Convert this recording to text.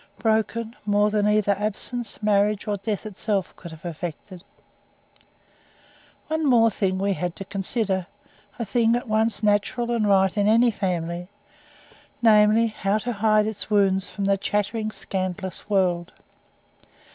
Broken, more than either absence, marriage, or death itself could have effected. One thing more we had to consider a thing at once natural and right in any family, namely, how to hide its wounds from the chattering, scandalous world.